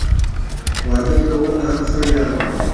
واده کول د هر سړي ارمان وي